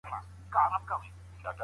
دا لایحه باید په پښتو کي تشرېح کړل سي.